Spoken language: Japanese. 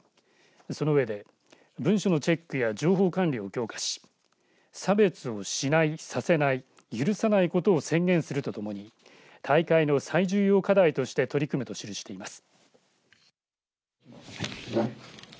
その上で文書のチェックや情報管理を強化し差別をしない、させない許さないことを宣言するとともに大会の最重要課題として取り組むと記しています。